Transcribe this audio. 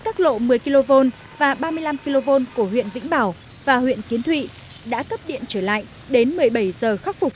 các lộ một mươi kv và ba mươi năm kv của huyện vĩnh bảo và huyện khiến thụy đã cấp điện trở lại đến một mươi bảy h khắc phục